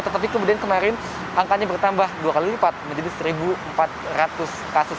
tetapi kemudian kemarin angkanya bertambah dua kali lipat menjadi satu empat ratus kasus